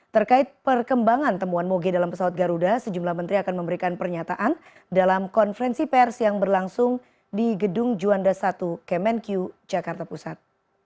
terkait perkembangan temuan moge dalam pesawat garuda sejumlah menteri akan memberikan pernyataan dalam konferensi pers yang berlangsung di gedung juanda satu kemenku jakarta pusat